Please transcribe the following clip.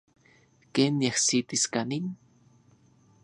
¿Ken niajsitis kanin?